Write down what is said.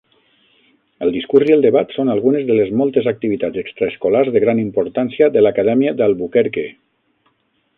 El discurs i el debat són algunes de les moltes activitats extraescolars de gran importància de l'acadèmia d'Albuquerque.